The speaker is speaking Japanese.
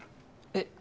えっ？